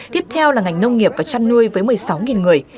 tiếp theo là ngành nông nghiệp và chăn nuôi với một mươi sáu người